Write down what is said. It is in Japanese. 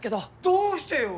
どうしてよ？